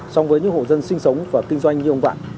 xong với những hộ dân sinh sống và kinh doanh như ông vạn